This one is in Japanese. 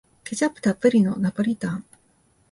ケチャップたっぷりのナポリタン